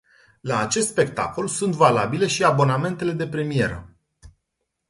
La acest spectacol sunt valabile și abonamentele de premieră.